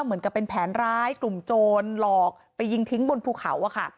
เหมือนเป็นแผนร้ายหรือกลุมโจรหลอกเป็นยิงทิ้งบนภูเขา